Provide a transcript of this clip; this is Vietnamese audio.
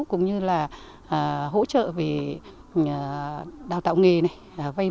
cũng như là hỗ trợ về đào tạo nghề vây vốn